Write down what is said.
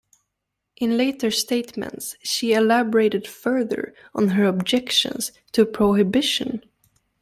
In later statements, she elaborated further on her objections to prohibition.